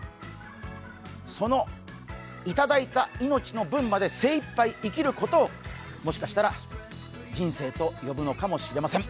その、いただいた命の分まで精いっぱい生きることを、もしかしたら人生と呼ぶのかもしれません。